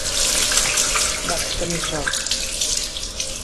Vaig tenir sort.